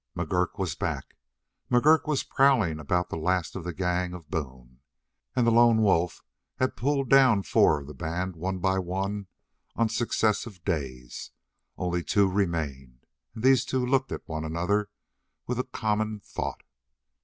McGurk was back. McGurk was prowling about the last of the gang of Boone, and the lone wolf had pulled down four of the band one by one on successive days. Only two remained, and these two looked at one another with a common thought.